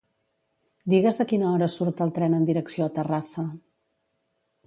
Digues a quina hora surt el tren en direcció a Terrassa.